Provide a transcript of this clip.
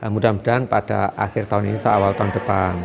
mudah mudahan pada akhir tahun ini atau awal tahun depan